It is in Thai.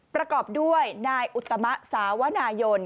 ประกอบด้วยนายอุตมะสาวนายน